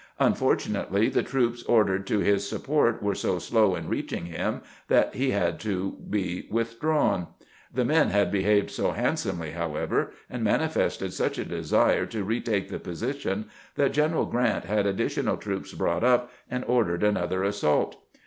Unfortunately the troops ordered to his support were so slow in reaching him that he had to be withdrawn. The men had behaved so handsomely, however, and manifested such a desire to retake the position, that General Grant had additional troops brought up, and ordered another assault.